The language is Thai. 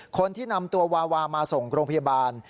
คนที่นำตัววาวามาส่งโรงพยาบาล